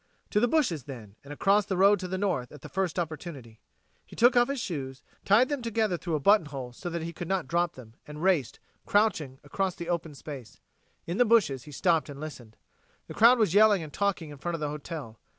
To the bushes, then, and across the road to the north at the first opportunity. He took off his shoes, tied them together through a button hole so that he could not drop them, and raced, crouching, across the open space. In the bushes, he stopped and listened. The crowd was yelling and talking in front of the hotel.